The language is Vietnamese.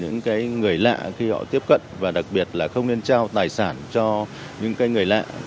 những người lạ khi họ tiếp cận và đặc biệt là không nên trao tài sản cho những người lạ